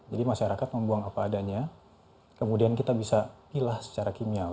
jadi masyarakat membuang apa adanya kemudian kita bisa memilah secara kimiawi